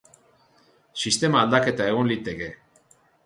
Sistema aldaketa egon liteke.